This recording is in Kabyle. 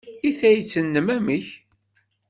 I tayet-nnem, amek?